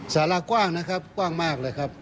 สารากว้างนะครับกว้างมากเลยครับ